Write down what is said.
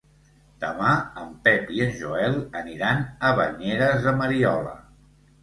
Demà en Pep i en Joel aniran a Banyeres de Mariola.